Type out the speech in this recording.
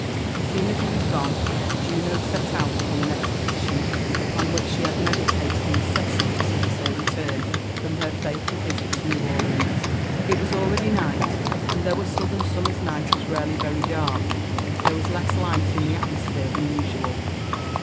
As soon as he was gone, Juno set out upon an expedition upon which she had (neditated incessantly since her return from her falal visit to New Orleans. . It was already night, and though a southern summer's night is rarely very dark, there was less light in the atmo sphere than usual.